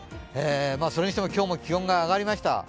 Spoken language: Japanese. それにしても今日も気温が上がりました。